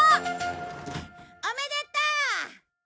おめでとう！